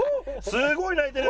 すごい鳴いてる！